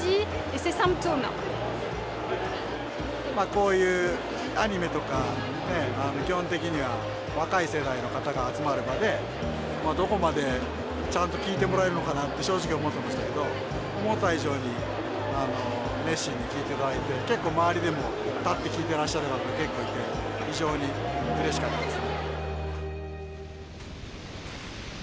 こういうアニメとか基本的には若い世代の方が集まる場でどこまでちゃんと聞いてもらえるのかなって正直思ってましたけど思った以上に熱心に聞いて頂いて結構周りでも立って聞いていらっしゃる方が結構いて非常にうれしかったです。